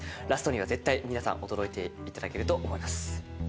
ラストには絶対皆さん驚いていただけると思います。